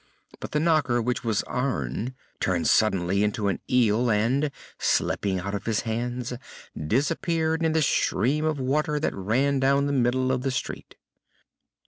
But the knocker, which was iron, turned suddenly into an eel and, slipping out of his hands, disappeared in the stream of water that ran down the middle of the street.